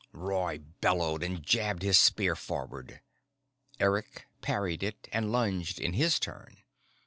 Roy bellowed and jabbed his spear forward. Eric parried it and lunged in his turn.